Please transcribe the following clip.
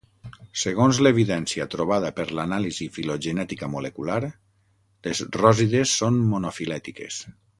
Segons l'evidència trobada per l'anàlisi filogenètica molecular, les ròsides són monofilètiques.